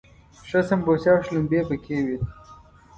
ښې سمبوسې او شلومبې پکې وي.